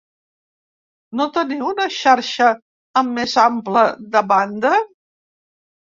No teniu una xarxa amb més ample de banda?